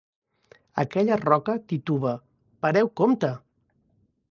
Aquella roca tituba: pareu compte!